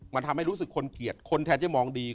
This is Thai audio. มันทำให้รู้สึกคนเกลียดคนแทนจะมองดี